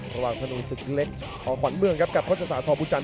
ระหว่างธนูศึกเล็กของขวัญเมืองครับกับทศาสอบุจันท